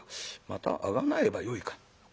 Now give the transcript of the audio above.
またあがなえばよいか。